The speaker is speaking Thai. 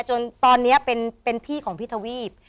จนตอนนี้เป็นพี่ของพี่ทวีป